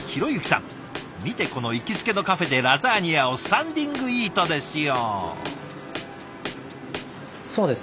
見てこの行きつけのカフェでラザニアをスタンディングイートですよ。